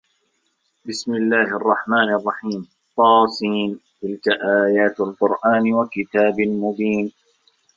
بِسمِ اللَّهِ الرَّحمنِ الرَّحيمِ طس تِلكَ آياتُ القُرآنِ وَكِتابٍ مُبينٍ